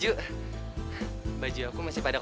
terima kasih abah